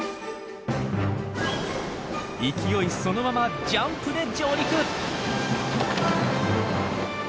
勢いそのままジャンプで上陸！